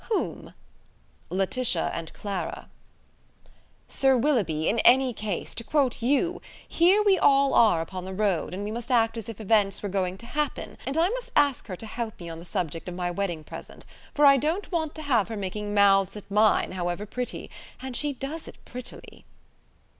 "Whom?" "Laetitia and Clara." "Sir Willoughby, in any case, to quote you, here we are all upon the road, and we must act as if events were going to happen; and I must ask her to help me on the subject of my wedding present, for I don't want to have her making mouths at mine, however pretty and she does it prettily."